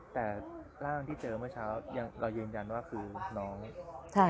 แต่ร่างที่เจอเมื่อเช้ายังเรายืนยันว่าคือน้องค่ะ